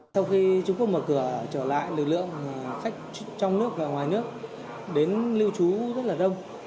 sau khi trung quốc mở cửa trở lại lực lượng khách trong nước và ngoài nước đến lưu trú rất là đông